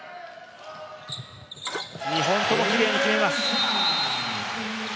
２本ともキレイに決めます。